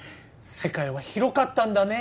世界は広かったんだね。